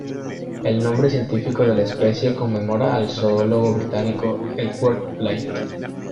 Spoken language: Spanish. El nombre científico de la especie conmemora al zoólogo británico Edward Blyth.